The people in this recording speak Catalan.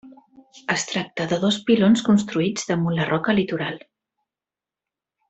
Es tracta de dos pilons construïts damunt la roca litoral.